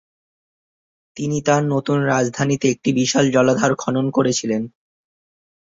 তিনি তার নতুন রাজধানীতে একটি বিশাল জলাধার খনন শুরু করেছিলেন।